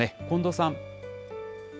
近藤さん。